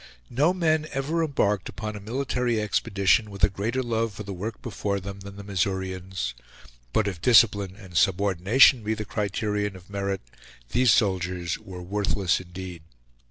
No men ever embarked upon a military expedition with a greater love for the work before them than the Missourians; but if discipline and subordination be the criterion of merit, these soldiers were worthless indeed.